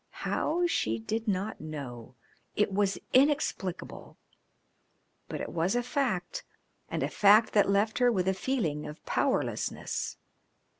How, she did not know; it was inexplicable, but it was a fact, and a fact that left her with a feeling of powerlessness.